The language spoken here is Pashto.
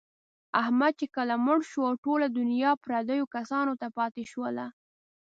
احمد چې کله مړ شو، ټوله دنیا یې پردیو کسانو ته پاتې شوله.